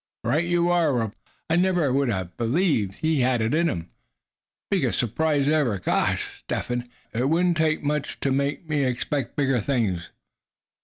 "Right you are," replied Giraffe. "I never would have believed he had it in him. Biggest surprise ever. Gosh! Step Hen, after this, d'ye know, it wouldn't take much to make me expect bigger things."